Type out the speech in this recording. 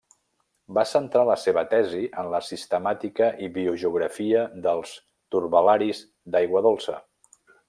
Va centrar la seva tesi en la sistemàtica i biogeografia dels turbel·laris d'aigua dolça.